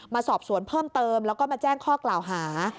มาสอบสวนเพิ่มเติมแล้วก็มาแจ้งข้อกล่าวหา